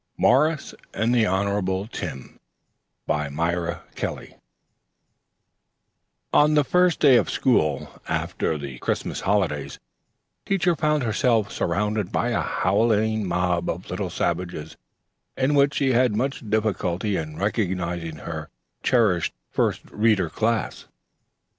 MORRIS AND THE HONORABLE TIM BY MYRA KELLY On the first day of school, after the Christmas holidays, teacher found herself surrounded by a howling mob of little savages in which she had much difficulty in recognizing her cherished First Reader Class.